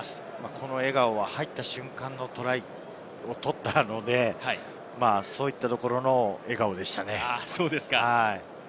この笑顔は入った瞬間、トライを取ったので、そういった笑顔でしたね。